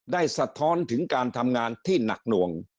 สะท้อนถึงการทำงานที่หนักหน่วง